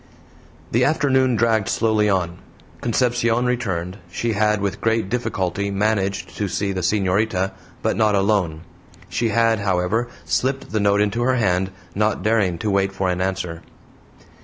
The afternoon dragged slowly on; Concepcion returned; she had, with great difficulty, managed to see the senorita, but not alone; she had, however, slipped the note into her hand, not daring to wait for an answer.